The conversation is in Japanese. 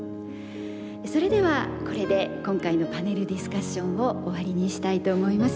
それではこれで今回のパネルディスカッションを終わりにしたいと思います。